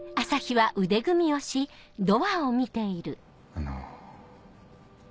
あの。